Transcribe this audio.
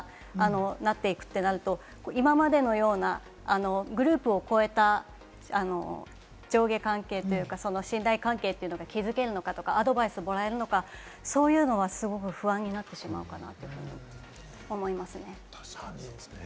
エージェント会社に先輩方がなっていくとなると、今までのようなグループを超えた上下関係というか、信頼関係が築けるのかとか、アドバイスもらえるのか、そういうのはすごく不安になってしまうかなと思いますね。